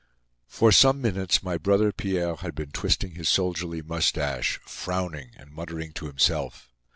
For some minutes my brother Pierre had been twisting his soldierly mustache, frowning and muttering to himself.